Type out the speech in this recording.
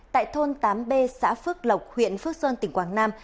tại thôn tám b xã phước lộc huyện phước sơn tỉnh quảng nam